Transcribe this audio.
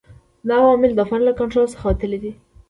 دا عوامل د فرد له کنټرول څخه وتلي دي.